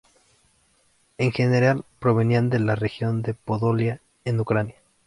En general provenían de la región de Podolia en Ucrania.